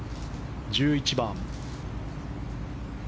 １１番。